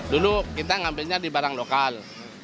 dulu kita ngambilnya di barang lokal